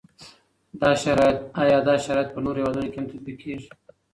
ایا دا شرایط په نورو هیوادونو کي هم تطبیق کیږي؟